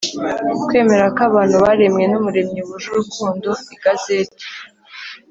kwemera ko abantu baremwe n Umuremyi wuje urukundo Igazeti